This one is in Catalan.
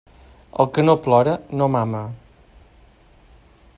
El que no plora, no mama.